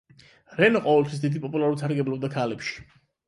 რენო ყოველთვის დიდი პოპულარობით სარგებლობდა ქალებში.